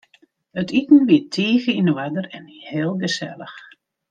It iten wie tige yn oarder en heel gesellich.